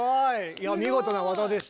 いや見事な技でした。